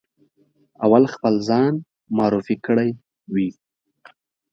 اول خپل ځان معرفي کړی وي.